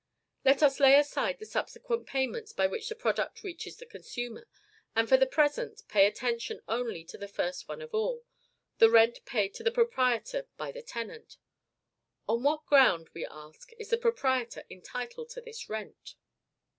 Let us lay aside the subsequent payments by which the product reaches the consumer, and, for the present, pay attention only to the first one of all, the rent paid to the proprietor by the tenant. On what ground, we ask, is the proprietor entitled to this rent?